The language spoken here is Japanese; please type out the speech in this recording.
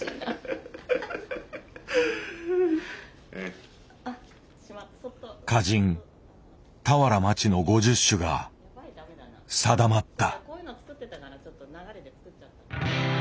えっ歌人俵万智の５０首が定まった。